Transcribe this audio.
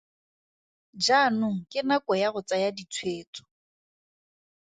Jaanong ke nako ya go tsaya ditshwetso.